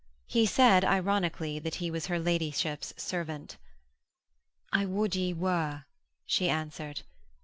He said, ironically, that he was her ladyship's servant. 'I would ye were,' she answered.